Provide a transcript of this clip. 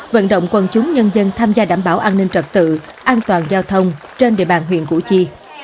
vận động quân chúng nhân dân tham gia đảm bảo an ninh trật tự an toàn giao thông trên địa bàn huyện củ chi